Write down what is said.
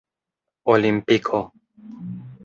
olimpiko